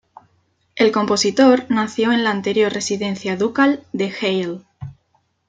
El compositor nació en la anterior residencia ducal de Halle.